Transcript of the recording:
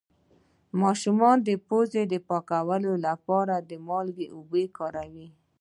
د ماشوم د پوزې د پاکوالي لپاره د مالګې اوبه وکاروئ